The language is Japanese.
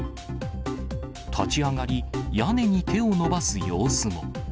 立ち上がり、屋根に手を伸ばす様子も。